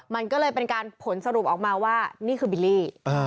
มันก็เลยเป็นการผลสรุปออกมาว่านี่คือบิลลี่